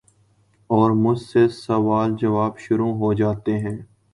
اور مجھ سے سوال جواب شروع ہو جاتے ہیں ۔